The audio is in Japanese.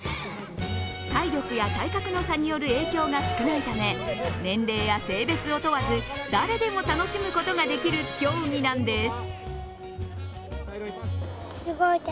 体力や体格の差による影響が少ないため、年齢や性別を問わず誰でも楽しむことができる競技なんです。